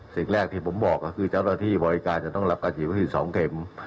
สิ่งแรกที่ผมบอกนะคือเจ้าระที่บริการจะต้องรับการจิบวิธีสองเข็ม